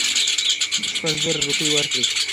شپږزره روپۍ ورکړې.